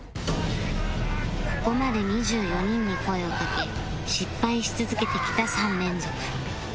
ここまで２４人に声をかけ失敗し続けてきた３連続